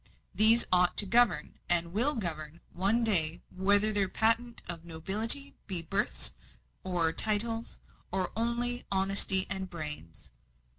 These ought to govern, and will govern, one day, whether their patent of nobility be births and titles, or only honesty and brains."